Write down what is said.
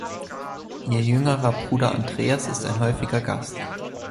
Ihr jüngerer Bruder Andreas ist ein häufiger Gast.